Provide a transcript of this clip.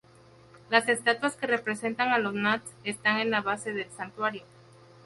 Las estatuas que representan a los Nats están en la base del Santuario.